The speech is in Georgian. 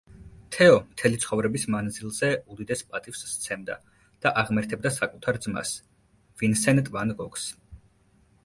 თეო მთელი ცხოვრების მანძილზე უდიდეს პატივს სცემდა და აღმერთებდა საკუთარ ძმას ვინსენტ ვან გოგს.